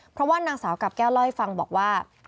เพราะว่านางสาวกับแก้วเล่าให้ฟังบอกว่า